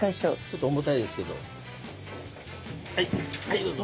はいはいどうぞ。